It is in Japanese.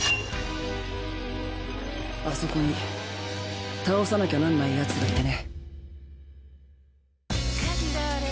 あそこに倒さなきゃなんないヤツがいてね。